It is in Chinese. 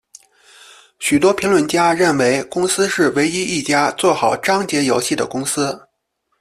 许多评论家认为公司是唯一一家做好章节游戏的公司。